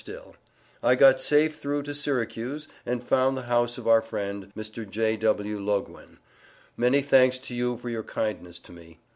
STILL: I got safe through to Syracuse, and found the house of our friend, Mr. J.W. Loguen. Many thanks to you for your kindness to me.